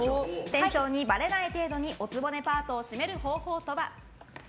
店長にばれない程度にお局パートをシメる方法とは？